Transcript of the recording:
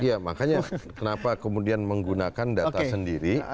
iya makanya kenapa kemudian menggunakan data sendiri